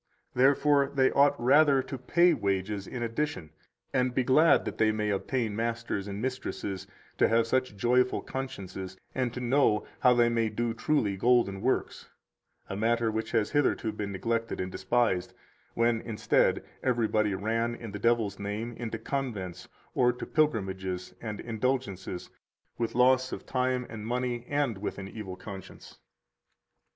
144 Therefore they ought rather to pay wages in addition and be glad that they may obtain masters and mistresses to have such joyful consciences and to know how they may do truly golden works; a matter which has hitherto been neglected and despised, when, instead, everybody ran, in the devil's name, into convents or to pilgrimages and indulgences, with loss [of time and money] and with an evil conscience.